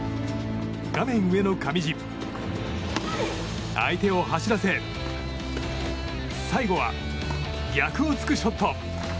画面上の上地相手を走らせ最後は逆を突くショット。